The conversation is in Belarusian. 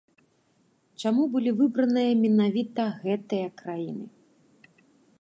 Чаму былі выбраныя менавіта гэтыя краіны?